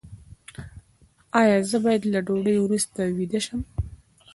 ایا زه باید له ډوډۍ وروسته ویده شم؟